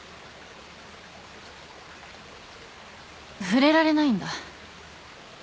触れられないんだ。